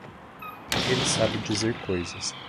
Ele sabe dizer coisas.